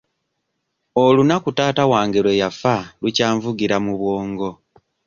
Olunaku taata wange lwe yafa lukyanvugira mu bwongo.